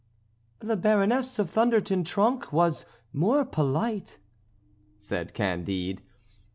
"The Baroness of Thunder ten Tronckh was more polite," said Candide.